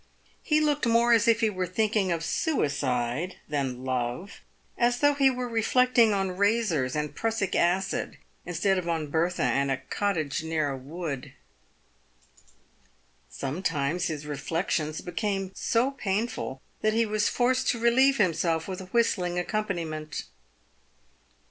He looked more as if he were thinking of suicide than love, as though he were reflecting on razors and prussic acid instead of on Bertha and a cottage near a wood. Sometimes his reflections became so painful that he was forced to relieve himself with a whistling accompaniment.